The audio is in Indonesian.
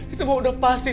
itu mau udah pasti